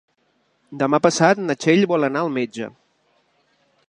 Demà passat na Txell vol anar al metge.